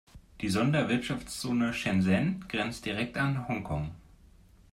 Die Sonderwirtschaftszone Shenzhen grenzt direkt an Hongkong.